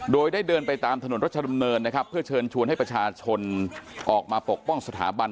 โดยได้เดินไปตามถนนรัชดำเนินนะครับเพื่อเชิญชวนให้ประชาชนออกมาปกป้องสถาบัน